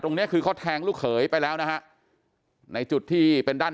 เนี้ยคือเขาแทงลูกเขยไปแล้วนะฮะในจุดที่เป็นด้าน